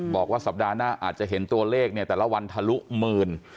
บอกว่าสัปดาห์หน้าอาจจะเห็นตัวเลขเนี่ยแต่ละวันทะลุหมื่น